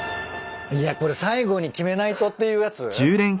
いやこれ最後に決めないとっていうやつ？